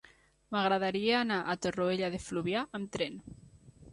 M'agradaria anar a Torroella de Fluvià amb tren.